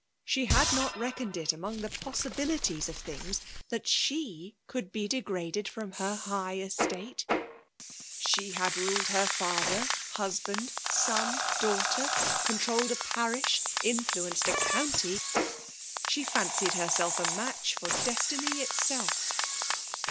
She had not reckoned it among the possibilities of things that she could be degraded from her high estate. She had ruled her father — husband — daughter — son ;— con trolled a parish — ^influenced a county; — she fancied herself a match for destiny itself!